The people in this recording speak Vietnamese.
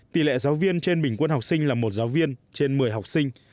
tỷ lệ giáo viên trên bình quân học sinh là một giáo viên trên một mươi học sinh